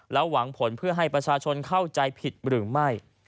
หวังผลเพื่อให้ประชาชนเข้าใจผิดหรือไม่